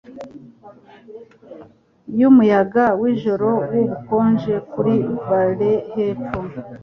Yumuyaga wijoro wubukonje kuri vale hepfo